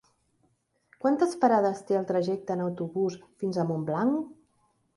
Quantes parades té el trajecte en autobús fins a Montblanc?